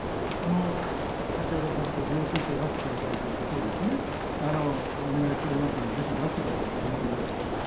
先ほど、ちゃんと領収書を出してくださいということをですね、お願いしておりますので、ぜひ出してください、そこまで言うならば。